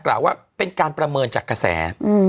กล่าวว่าเป็นการประเมินจากกระแส